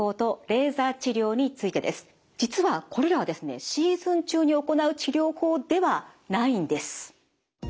実はこれらはですねシーズン中に行う治療法ではないんです。